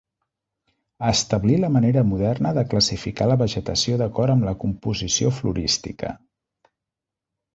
Establí la manera moderna de classificar la vegetació d'acord amb la composició florística.